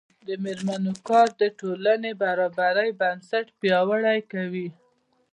د میرمنو کار د ټولنې برابرۍ بنسټ پیاوړی کوي.